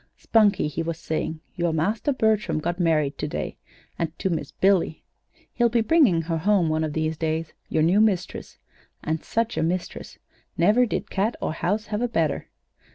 "Spunkie," he was saying, "your master, Bertram, got married to day and to Miss Billy. He'll be bringing her home one of these days your new mistress. And such a mistress! Never did cat or house have a better!